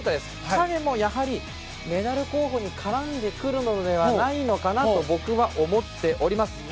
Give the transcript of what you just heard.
彼もやはりメダル候補に絡んでくるのではないのかなと僕は思っております。